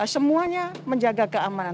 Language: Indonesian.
semuanya menjaga keamanan